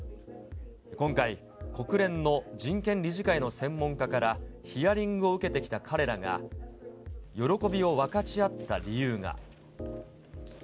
今回、国連の人権理事会の専門家からヒアリングを受けてきた彼らが、喜びを分かち合った理由が。